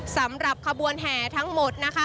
สำหรับขบวนแห่ทั้งหมดนะคะ